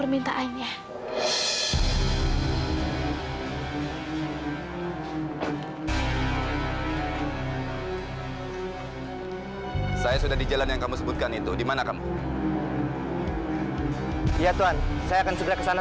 masih ada juga manja